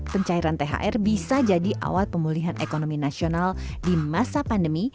pencairan thr bisa jadi awal pemulihan ekonomi nasional di masa pandemi